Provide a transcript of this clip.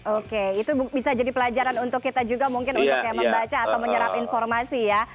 oke itu bisa jadi pelajaran untuk kita juga mungkin untuk membaca atau menyerap informasi ya